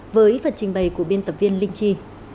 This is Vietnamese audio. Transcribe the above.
với phần trình bày của biên tập viên linh chi